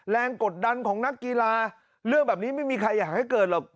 กดดันของนักกีฬาเรื่องแบบนี้ไม่มีใครอยากให้เกิดหรอก